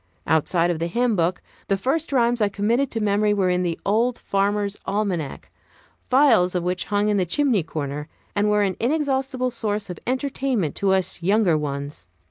Outside of the hymn book, the first rhymes I committed to memory were in the "Old Farmer's Almanac," files of which hung in the chimney corner, and were an inexhaustible source of entertainment to us younger ones.